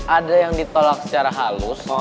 ada yang ditolak secara halus